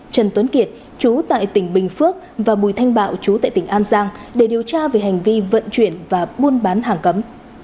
trần tuấn kiệt chú tại tỉnh bình phước và bùi thanh bạo chú tại tỉnh an giang để điều tra về hành vi vận chuyển và buôn bán hàng cấm